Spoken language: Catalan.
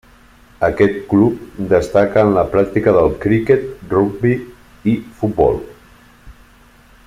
Aquest club destacà en la pràctica del criquet, rugbi, i futbol.